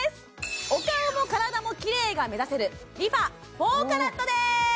お顔も体もきれいが目指せるＲｅＦａ４ＣＡＲＡＴです